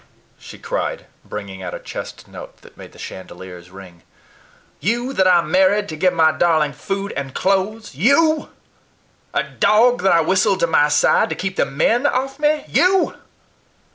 she cried, bringing out a chest note that made the chandeliers ring "You that I married to give my darling food and clothes YOU! a dog that I whistled to my side to keep the men off me YOU!"